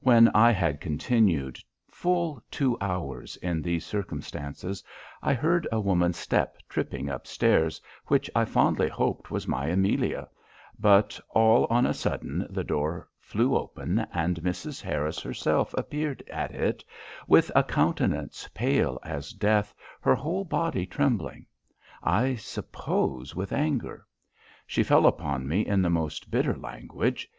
"When I had continued full two hours in these circumstances, I heard a woman's step tripping upstairs, which I fondly hoped was my Amelia; but all on a sudden the door flew open, and Mrs. Harris herself appeared at it, with a countenance pale as death, her whole body trembling, I suppose with anger; she fell upon me in the most bitter language.